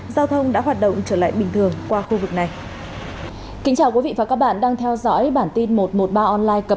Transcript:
giao thông đã hoạt động trở lại bình thường qua khu vực này